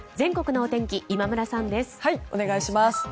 お願いします。